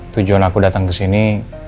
tujuan aku datang kesini